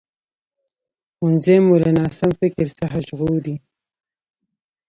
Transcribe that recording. ښوونځی مو له ناسم فکر څخه ژغوري